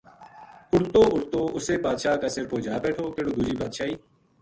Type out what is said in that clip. اُڈتو اُڈتو اسے بادشاہ کا سر پو جا بیٹھو کِہڑو دوجی بادشاہی